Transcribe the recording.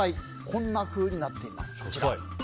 こんなふうになっています。